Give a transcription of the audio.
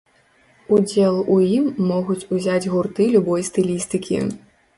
Удзел у ім могуць узяць гурты любой стылістыкі.